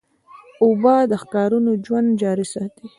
اوبه د ښارونو ژوند جاري ساتي.